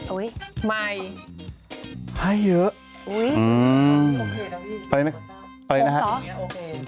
อุ้ยใหม่ให้เยอะอุ้ยอืมโอเคนะอุ้ยไปไปนะฮะโอเค